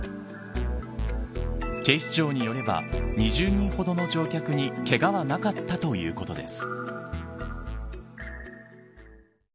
警視庁によれば２０人ほどの乗客にけがはなかったということです。